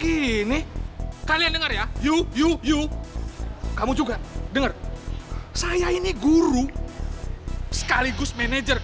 ganteng keturunan amrik